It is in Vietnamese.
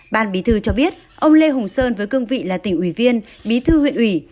ban bí thư cho biết ông lê hùng sơn với cương vị là tỉnh ủy viên bí thư huyện ủy